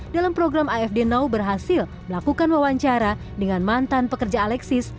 dalam program afd now berhasil melakukan wawancara dengan mantan pekerja alexis